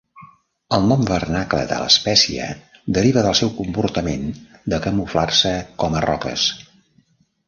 El nom vernacular de l'espècie deriva del seu comportament de camuflar-se com a roques.